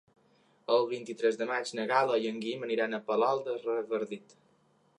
El vint-i-tres de maig na Gal·la i en Guim aniran a Palol de Revardit.